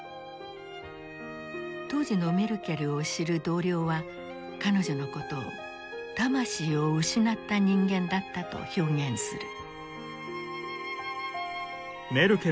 当時のメルケルを知る同僚は彼女のことを「魂を失った人間」だったと表現する。